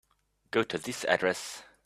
Go to this address.